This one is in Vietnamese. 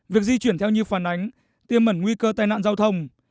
việc di chuyển theo như phản ánh tiêm mẩn nguy cơ tai nạn giao thông